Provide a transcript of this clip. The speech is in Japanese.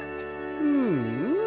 うんうん。